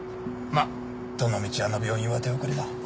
まぁどのみちあの病院は手遅れだ。